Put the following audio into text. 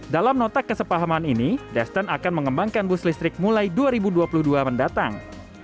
dalam nota kesepahaman ini destin akan mengembangkan bus listrik mulai dua ribu dua puluh dua mendatang